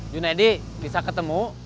junedi diza ketemu